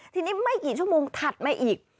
ทีนี้ไม่กี่ชั่วโมงถัดมาอีก